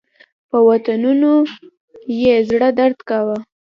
په وطنونو یې زړه درد کاوه.